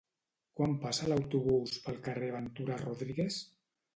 Quan passa l'autobús pel carrer Ventura Rodríguez?